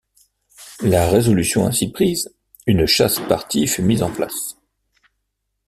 La résolution ainsi prise, une Chasse-Partie fut mise en place.